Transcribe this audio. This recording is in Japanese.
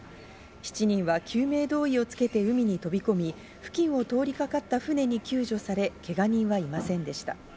７人は救命胴衣をつけて海に飛び込み、付近を通りかかった船に救助され、けが人はいませんでした。